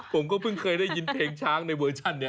ผมก็เพิ่งเคยได้ยินเพลงช้างในเวอร์ชันเนี่ย